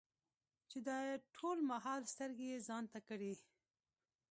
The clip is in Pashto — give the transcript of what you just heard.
چې د ټول ماحول سترګې يې ځان ته کړې ـ